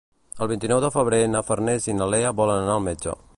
El vint-i-nou de febrer na Farners i na Lea volen anar al metge.